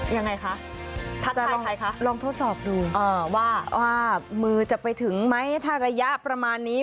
ยังไงคะถ้าเจอกับใครคะลองทดสอบดูว่ามือจะไปถึงไหมถ้าระยะประมาณนี้